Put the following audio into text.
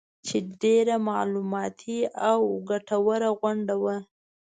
چې ډېره معلوماتي او ګټوره غونډه وه